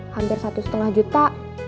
hampir satu setengah juta